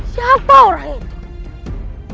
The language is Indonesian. siapa orang itu